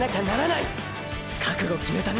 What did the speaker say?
覚悟決めたね